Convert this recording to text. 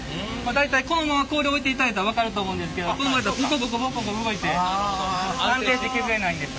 大体このまま氷を置いていただいたら分かると思うんですけどこのままやったらボコボコボコボコ動いて安定して削れないんです。